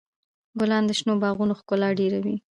ګلان د شنو باغونو ښکلا ډېروي.